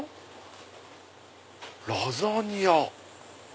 「ラザニ屋」。